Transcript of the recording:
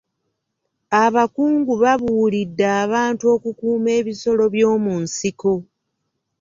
Abakungu babuulidde abantu okukuuma ebisolo by'omu nsiko.